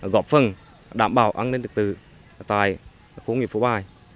gọp phần đảm bảo an ninh thực tử tại khu công nghiệp phố bài